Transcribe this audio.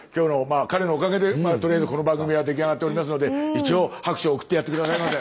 彼のおかげでとりあえずこの番組は出来上がっておりますので一応拍手を送ってやって下さいませ。